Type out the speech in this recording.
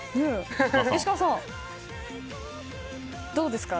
石川さん、どうですか？